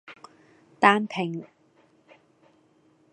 單拼